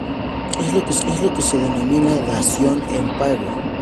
Es lo que se denomina "dación en pago".